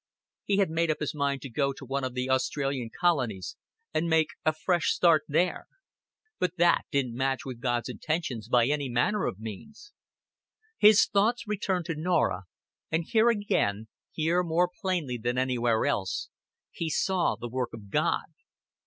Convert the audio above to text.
He had made up his mind to go to one of the Australian colonies and make a fresh start there. But that didn't match with God's intentions by any manner of means. His thoughts returned to Norah, and here again here more plainly than anywhere else he saw the work of God.